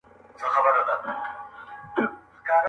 • نه « هینداره » چي مو شپې کړو ورته سپیني -